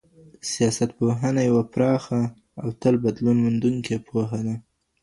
سياستپوهنه يوه پراخه او تل بدلون موندونکې پوهه ده.